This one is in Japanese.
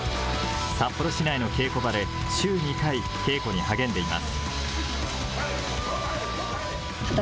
札幌市内の稽古場で週２回、稽古に励んでいます。